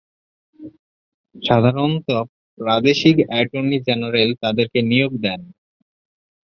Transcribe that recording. সাধারণত প্রাদেশিক attorney general তাদেরকে নিয়োগ দেন।